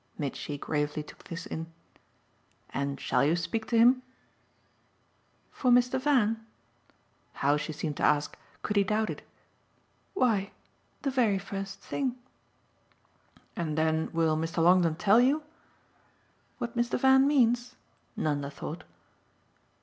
Mitchy gravely took this in. "And shall you speak to him?" "For Mr. Van?" How, she seemed to ask, could he doubt it? "Why the very first thing." "And then will Mr. Longdon tell you?" "What Mr. Van means?" Nanda thought.